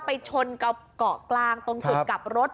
ไปชนกะเกาะกลางตนกลุ่นกับรถ